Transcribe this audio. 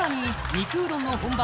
肉うどんの本場